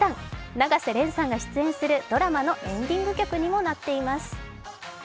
永瀬廉さんが出演するドラマのエンディング曲にもなっています。